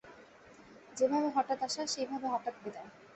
যেভাবে হঠাৎ আসা, সেইভাবে হঠাৎ বিদায়।